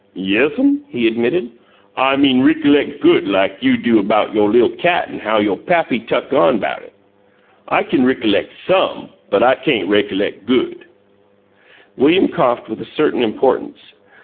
"Yes'm," he admitted. "I mean rickalect good like you do 'bout yo' li'l' cat an' all how yo' pappy tuck on 'bout it. I kin rickalect SOME, but I cain' rickalect GOOD." William coughed with a certain importance.